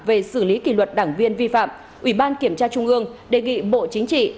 về xử lý kỷ luật đảng viên vi phạm ủy ban kiểm tra trung ương đề nghị bộ chính trị